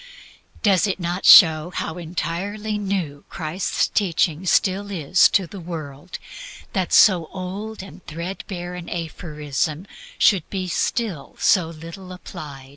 Does it not show how entirely new Christ's teaching still is to the world, that so old and threadbare an aphorism should still be so little known?